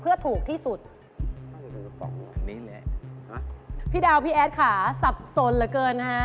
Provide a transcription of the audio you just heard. เพื่อถูกที่สุดพี่ดาวพี่แอดค่ะสับสนเหลือเกินนะฮะ